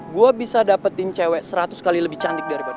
gue bisa dapetin cewek seratus kali lebih cantik daripada